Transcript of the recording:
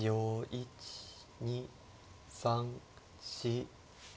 １２３４５。